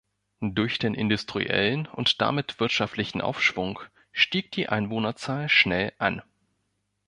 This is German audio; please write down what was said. Durch den industriellen und damit wirtschaftlichen Aufschwung stieg die Einwohnerzahl schnell an.